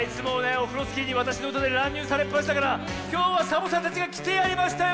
オフロスキーにわたしのうたでらんにゅうされっぱなしだからきょうはサボさんたちがきてやりましたよ！